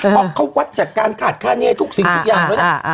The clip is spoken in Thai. เพราะเขาวัดจากการขาดค่าแน่ทุกสิ่งทุกอย่างแล้วนะ